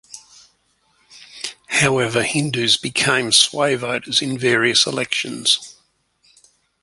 However, Hindus became sway voters in various elections.